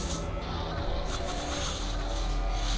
kembali nangkas lalu mirip